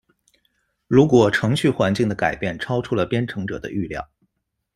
如果程序环境的改变超出了编程者的预料。